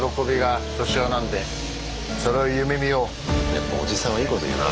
やっぱおじさんはいいこと言うな。